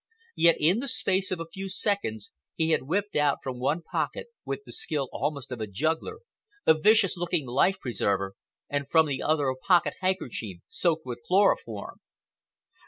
Yet, in the space of a few seconds he had whipped out from one pocket, with the skill almost of a juggler, a vicious looking life preserver, and from the other a pocket handkerchief soaked with chloroform.